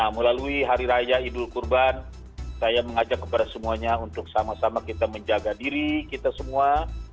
melalui hari raya idul kurban saya mengajak kepada semuanya untuk sama sama kita menjaga diri kita semua